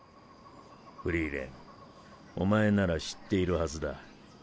フリーレンお前なら知っているはずだ。